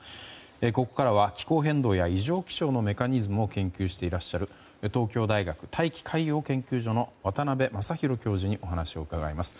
ここからは気候変動や異常気象のメカニズムを研究してらっしゃる東京大学大気海洋研究所の渡部雅浩教授にお話を伺います。